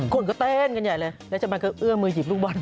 คนก็เต้นกันใหญ่เลยแล้วจะมาก็เอื้อมมือหยิบลูกบอล